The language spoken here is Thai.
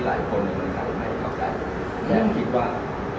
เรื่องสำคัญที่หลายคนในการให้เข้าใจ